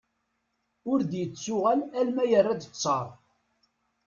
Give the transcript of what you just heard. Ur d-yettuɣal alma yerra-d ttar